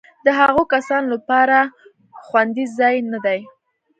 د هغو کسانو لپاره خوندي ځای نه دی.